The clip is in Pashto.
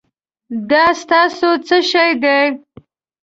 دا ستاسو څه شی دی؟